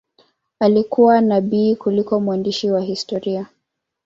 Alikuwa nabii kuliko mwandishi wa historia.